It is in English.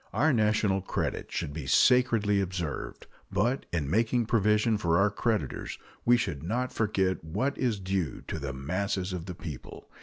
Our national credit should be sacredly observed, but in making provision for our creditors we should not forget what is due to the masses of the people.